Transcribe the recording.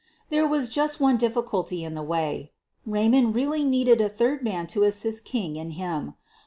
f There was just one difficulty in the way — Ray mond really needed a third man to assist King and him.